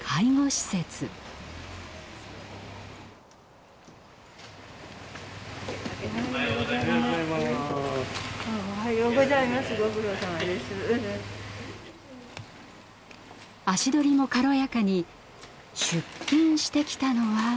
足取りも軽やかに出勤してきたのは。